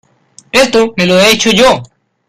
esto me lo he hecho yo.